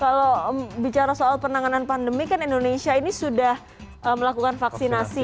kalau bicara soal penanganan pandemi kan indonesia ini sudah melakukan vaksinasi